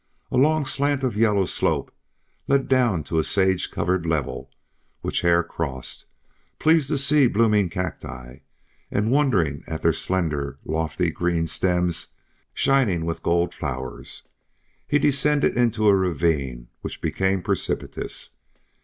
A long slant of yellow slope led down to a sage covered level, which Hare crossed, pleased to see blooming cacti and wondering at their slender lofty green stems shining with gold flowers. He descended into a ravine which became precipitous.